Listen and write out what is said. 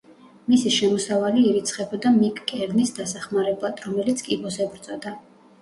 მისი შემოსავალი ირიცხებოდა მიკ კერნის დასახმარებლად, რომელიც კიბოს ებრძოდა.